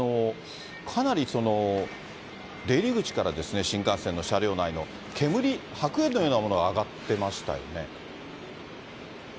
かなり出入り口から、新幹線の車両内の、煙、白煙のようなものが上がってましたよね。